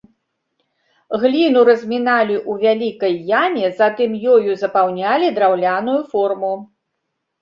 Гліну разміналі ў вялікай яме, затым ёю запаўнялі драўляную форму.